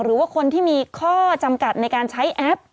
หรือว่าคนที่มีข้อจำกัดในการใช้แอป